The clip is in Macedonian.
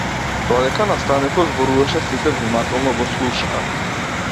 Додека наставникот зборуваше сите внимателно го слушаа.